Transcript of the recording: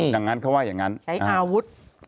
อย่างนั้นเขาว่าอย่างนั้นใช้อาวุธ